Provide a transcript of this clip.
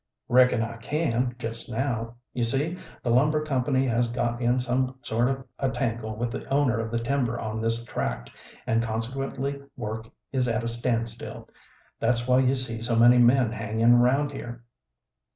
"Reckon I can, just now. You see, the lumber company has got in some sort of a tangle with the owner of the timber on this tract, and consequently work is at a standstill. That's why you see so many men hangin' around here."